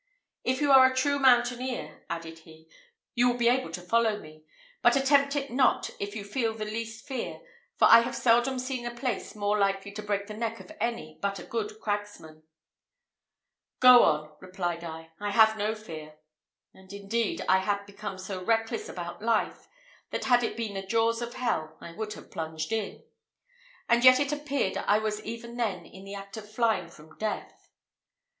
"If you are a true mountaineer," added he, "you will be able to follow me; but attempt it not if you feel the least fear; for I have seldom seen a place more likely to break the neck of any but a good cragsman." "Go on," replied I, "I have no fear;" and, indeed, I had become so reckless about life, that had it been the jaws of hell, I would have plunged in. And yet it appeared I was even then in the act of flying from death.